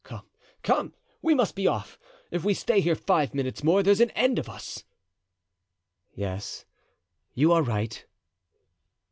Come, come, we must be off. If we stay here five minutes more there's an end of us." "Yes, you are right."